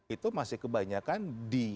itu masih kebanyakan di